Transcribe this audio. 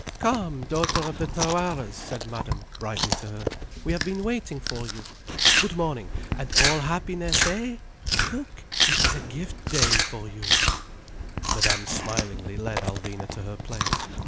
"Come, daughter of the Tawaras," said Madame brightly to her. "We have been waiting for you. Good morning, and all happiness, eh? Look, it is a gift day for you—" Madame smilingly led Alvina to her place.